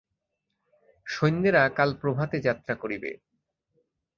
সৈন্যেরা কাল প্রভাতে যাত্রা করিবে।